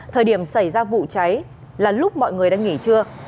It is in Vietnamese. thời điểm xảy ra vụ cháy là lúc mọi người đang nghỉ trưa